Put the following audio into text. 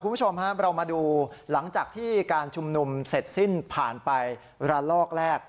คุณผู้ชมครับเรามาดูหลังจากที่การชุมนุมเสร็จสิ้นผ่านไประลอกแรก